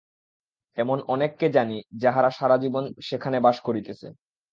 এমন অনেককে জানি, যাহারা সারা জীবন সেখানে বাস করিতেছে।